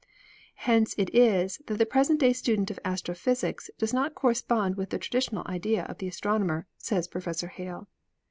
"Hence it is that the present day student of astrophysics does not correspond with the traditional idea of the astronomer," says Professor Hale.